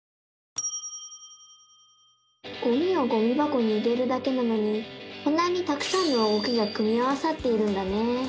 ゴミをゴミばこに入れるだけなのにこんなにたくさんの動きが組み合わさっているんだね！